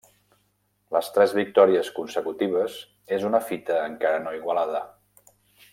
Les tres victòries consecutives és una fita encara no igualada.